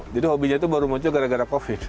jadi hobinya itu baru muncul gara gara covid